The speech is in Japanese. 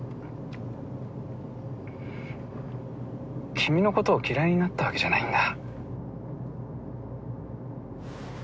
君の事を嫌いになったわけじゃないんだ。